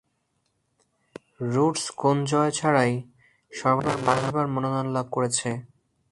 Roots কোন জয় ছাড়াই সর্বাধিক পাঁচবার মনোনয়ন লাভ করেছে।